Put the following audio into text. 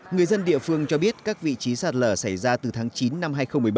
người dân địa phương cho biết các vị trí sạt lở xảy ra từ tháng chín năm hai nghìn một mươi bảy